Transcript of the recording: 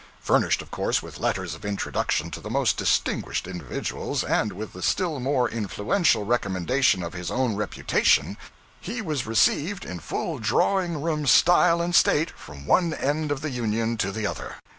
Furnished, of course, with letters of introduction to the most distinguished individuals, and with the still more influential recommendation of his own reputation, he was received in full drawing room style and state from one end of the Union to the other.